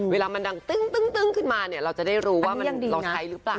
เวลามันดังตึ้งขึ้นมาเนี่ยเราจะได้รู้ว่าเราใช้หรือเปล่า